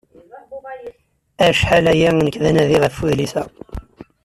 Acḥal aya nekk d anadi ɣef udlis-a.